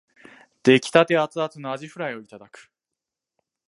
出来立てアツアツのあじフライをいただく